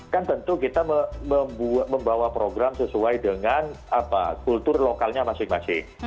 kan tentu kita membawa program sesuai dengan kultur lokalnya masing masing